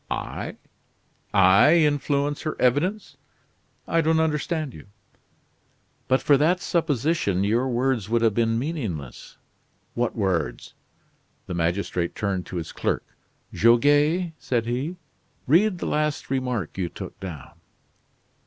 "I I influence her evidence! I don't understand you." "But for that supposition, your words would have been meaningless?" "What words?" The magistrate turned to his clerk: "Goguet," said he, "read the last remark you took down."